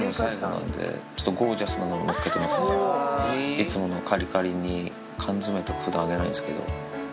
いつものカリカリに缶詰とか普段あげないんですけど。